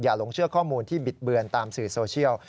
หลงเชื่อข้อมูลที่บิดเบือนตามสื่อโซเชียล